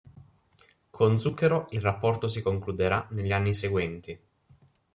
Con Zucchero il rapporto si concluderà negli anni seguenti.